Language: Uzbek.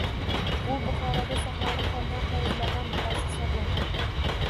U Buxoroda saqlanib qolgan hovuzlardan bittasi hisoblanadi